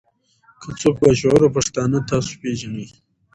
کۀ څوک با شعوره پښتانۀ تاسو پېژنئ